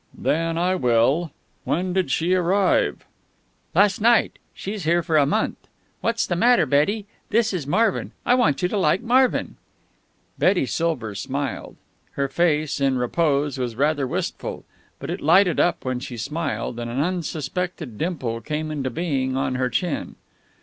"Then I will. When did she arrive?" "Last night. She's here for a month. What's the matter, Betty? This is Marvin. I want you to like Marvin." Betty Silver smiled. Her face, in repose, was rather wistful, but it lighted up when she smiled, and an unsuspected dimple came into being on her chin.